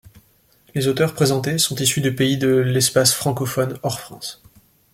Les auteurs présentés sont issus des pays de l’espace francophone hors France.